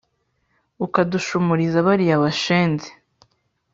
ukadushumuriza bariya bashenzi